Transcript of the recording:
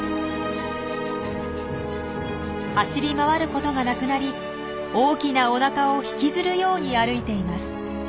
走り回ることがなくなり大きなおなかを引きずるように歩いています。